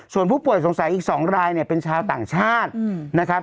ส่วนผู้ป่วยสงสัยอีก๒รายเนี่ยเป็นชาวต่างชาตินะครับ